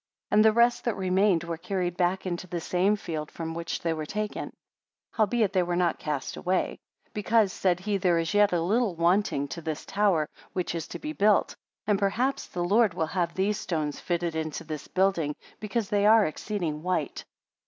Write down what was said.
79 And the rest that remained were carried back into the same field from which they were taken; howbeit, they were not cast away; because, said he, there is yet a little wanting to this tower, which is to be built; and perhaps the Lord will have these stones fitted into this building, because they are exceeding white.